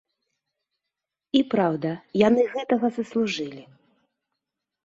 І праўда, яны гэтага заслужылі.